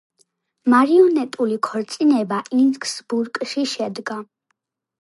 მარიონეტული ქორწინება ინსბრუკში შედგა.